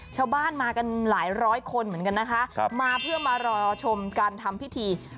ชาวบ้านมากันหลายร้อยคนเหมือนกันนะคะมาเพื่อมารอชมการทำพิธี